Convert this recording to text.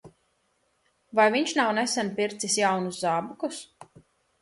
Vai viņš nav nesen pircis jaunus zābakus?